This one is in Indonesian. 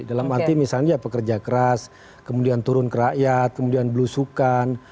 dalam arti misalnya ya pekerja keras kemudian turun ke rakyat kemudian belusukan